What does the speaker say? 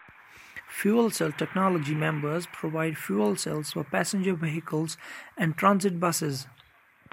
Fuel cell technology members provide fuel cells for passenger vehicles and transit buses.